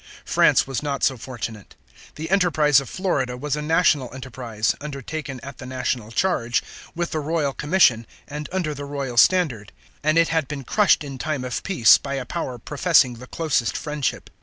France was not so fortunate. The enterprise of Florida was a national enterprise, undertaken at the national charge, with the royal commission, and under the royal standard; and it had been crushed in time of peace by a power professing the closest friendship.